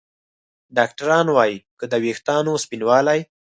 ډاکتران وايي که د ویښتانو سپینوالی